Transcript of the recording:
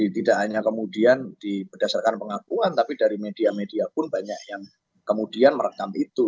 tidak hanya kemudian berdasarkan pengakuan tapi dari media media pun banyak yang kemudian merekam itu